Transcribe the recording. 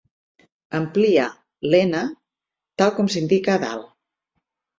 Amplia l'"N" tal com s'indica a dalt.